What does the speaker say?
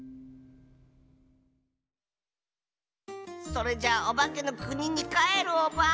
それじゃおばけのくににかえるオバ。